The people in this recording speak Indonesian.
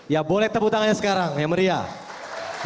ya boleh tepuk tangannya sekarang yang meriah